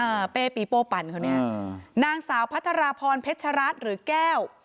อ่าเป้ปีโป้ปั่นคนนี้อ่านางสาวพัทราพรเพชรราชหรือแก้ว